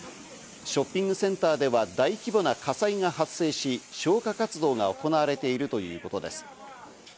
ショッピングセンターでは大規模な火災が発生し、消火活動が行われているということです。